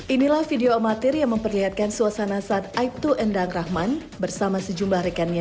inilah video amatir yang memperlihatkan suasana saat aibtu endang rahman bersama sejumlah rekannya